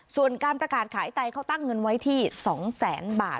ส่วนการประกาศขายไตเขาตั้งเงินไว้ที่๒แสนบาท